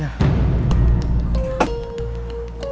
aku mau buka pintu